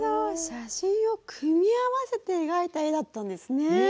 写真を組み合わせて描いた絵だったんですね。